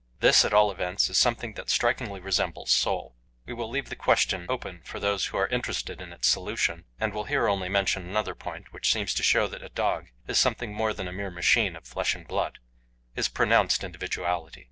This, at all events, is something that strikingly resembles "soul." We will leave the question open for those who are interested in its solution, and will here only mention another point, which seems to show that a dog is something more than a mere machine of flesh and blood his pronounced individuality.